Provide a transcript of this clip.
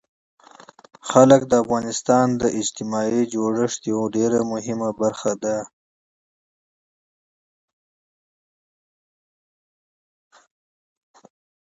وګړي د افغانستان د اجتماعي جوړښت یوه ډېره مهمه برخه ده.